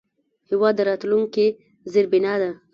هېواد د راتلونکي زیربنا ده.